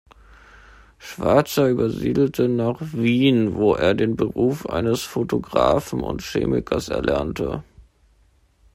Schwarzer übersiedelte nach Wien, wo er den Beruf eines Fotografen und Chemikers erlernte.